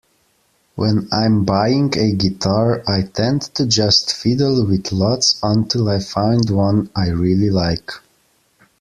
When I'm buying a guitar I tend to just fiddle with lots until I find one I really like.